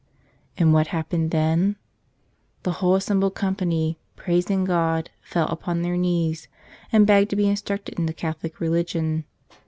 And what happened then? The whole assembled company, praising God, fell upon their knees and begged to be instructed in the Catholic religion.